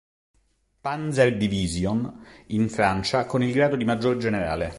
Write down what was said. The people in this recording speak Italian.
Panzer-Division" in Francia con il grado di maggior generale.